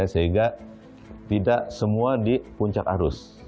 sehingga tidak semua di puncak arus